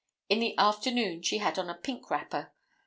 In the afternoon she had on a pink wrapper.